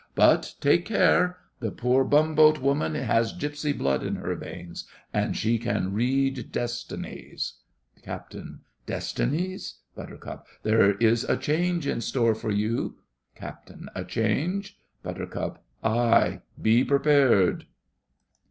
But take care! The poor bumboat woman has gipsy blood in her veins, and she can read destinies. CAPT. Destinies? BUT. There is a change in store for you! CAPT. A change? BUT. Aye—be prepared!